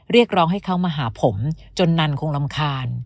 เรียกร้องให้เขามาหาผมจนนันคงรำคาญ